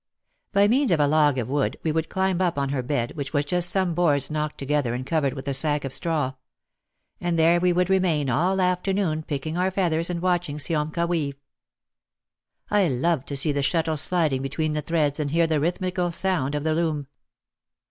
By means of a log of wood we would climb up on her bed, which was just some boards knocked together and covered with a sack of straw. And there we would re main all afternoon picking our feathers and watching Siomka weave. I loved to see the shuttle sliding between the threads, and hear the rhythmical sound of the loom.